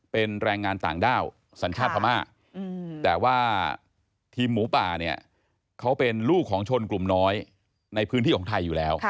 ของกรุมชาติภัณฑ์อยู่แล้ว